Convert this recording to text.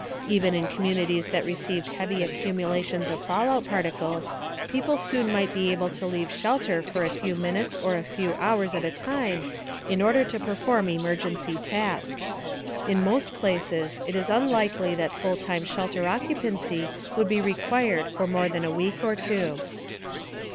Even in communities that received heavy accumulations of fallout particles, people soon might be able to leave shelter for a few minutes or a few hours at a time in order to perform emergency tasks. In most places, it is unlikely that full time shelter occupancy would be required for more than a week or two.